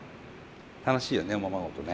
楽しいよねおままごとね。